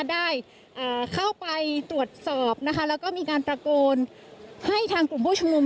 ได้เข้าไปตรวจสอบนะคะแล้วก็มีการตะโกนให้ทางกลุ่มผู้ชุมนุม